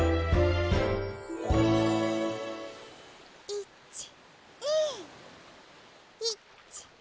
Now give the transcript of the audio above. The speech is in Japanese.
１２１２。